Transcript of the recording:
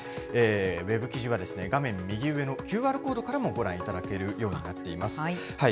ウェブ記事は、画面右上のＱＲコードからもご覧いただけるようになっています。